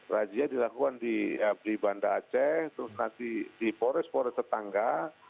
rajia dilakukan di banda aceh terus di forest forest tetangga